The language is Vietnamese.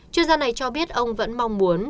chuyên gia này cho biết ông vẫn mong muốn